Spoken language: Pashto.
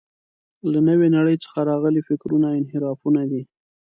له نوې نړۍ څخه راغلي فکرونه انحرافونه دي.